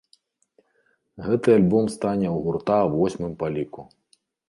Гэты альбом стане ў гурта восьмым па ліку.